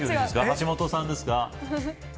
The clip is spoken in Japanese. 橋本さんですか。